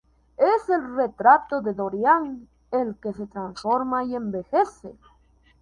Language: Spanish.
Es el retrato de Dorian el que se transforma y envejece.